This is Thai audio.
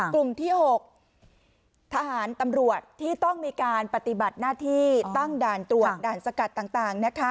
กลุ่มที่๖ทหารตำรวจที่ต้องมีการปฏิบัติหน้าที่ตั้งด่านตรวจด่านสกัดต่าง